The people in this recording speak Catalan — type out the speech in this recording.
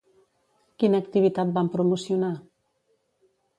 Quina activitat van promocionar?